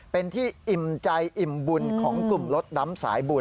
เป็นที่อิ่มใจอิ่มบุญของกลุ่มรถดำสายบุญ